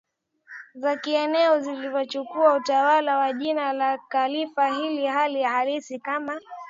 za kieneo zilichukua utawala kwa jina la khalifa ila hali halisi kama